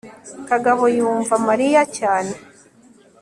kagabo yumva mariya cyane